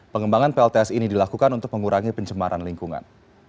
pengembangan plts ini dilakukan untuk mengurangi pencemaran lingkungan